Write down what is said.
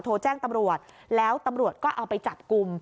โทรแจ้งตำรวจแล้วตำรวจก็เอาไปจับกลุ่ม